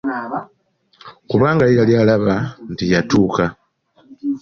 Kubanga ye yali alaba nti yatuuka!